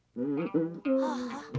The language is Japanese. ああ。